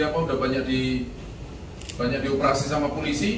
apa sudah banyak dioperasi sama polisi